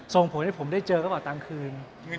ส่งผลให้ผมได้เจอกระเป๋าตังค์คืน